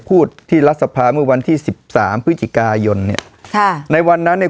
พูดที่รัฐสภาเมื่อวันที่สิบสามพฤศจิกายนเนี่ยค่ะในวันนั้นเนี่ย